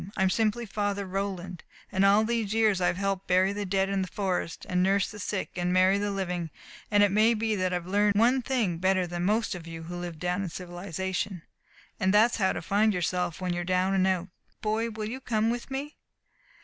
I'm simply Father Roland, and all these years I've helped to bury the dead in the forest, an' nurse the sick, an' marry the living, an' it may be that I've learned one thing better than most of you who live down in civilization. And that's how to find yourself when you're down an' out. Boy, will you come with me?"